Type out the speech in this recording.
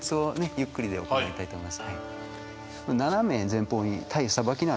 ゆっくりで行いたいと思います。